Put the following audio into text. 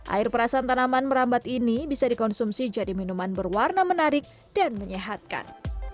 air perasan tanaman merambat ini bisa dikonsumsi jadi minuman berwarna menarik dan menyehatkan